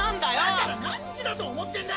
だから何時だと思ってんだ！